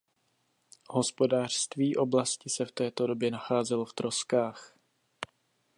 Hospodářství oblasti se v této době nacházelo v troskách.